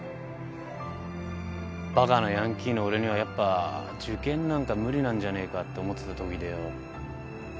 バカなヤンキーの俺にはやっぱ受験なんか無理なんじゃねえかって思ってたときでよ。